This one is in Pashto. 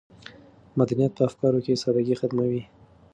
مدنیت په افکارو کې سادګي ختموي.